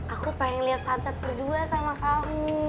aku pengen liat sunset kedua sama kamu